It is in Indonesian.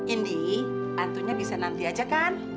indi pantunya bisa nanti aja kan